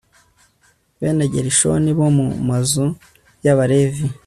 bene gerishoni bo mu mazu y'abalevi